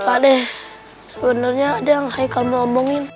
pade sebenarnya ada yang saya mau ngomongin